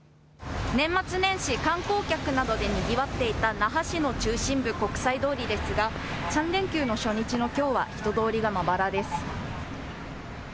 年末年始、観光客などでにぎわっていた那覇市の中心部、国際通りですが、３連休の初日のきょうは人通りがまばらです。